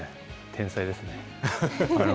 天才ですね。